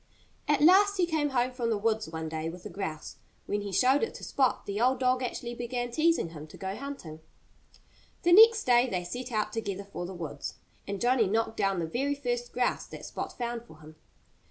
At last he came home from the woods one day with a grouse. When he showed it to Spot the old dog actually began teasing him to go hunting. The next day they set out together for the woods. And Johnnie knocked down the very first grouse that Spot found for him.